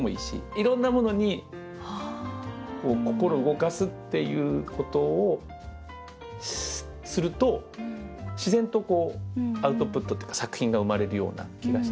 いろんなものに心を動かすっていうことをすると自然とアウトプットっていうか作品が生まれるような気がしていて。